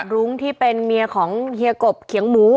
รุ้งที่เป็นเมียของเฮียกบเขียงหมู